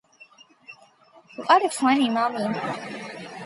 What a funny mummy!